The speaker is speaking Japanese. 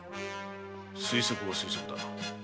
推測は推測だ。